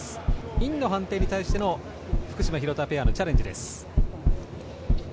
インの判定に対しての福島、廣田のチャレンジです。